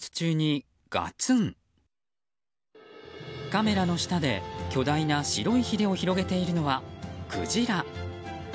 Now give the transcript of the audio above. カメラの下で巨大な白いひれを広げているのはクジラ。